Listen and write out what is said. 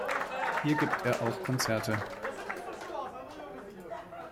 Hier gibt er auch Konzerte.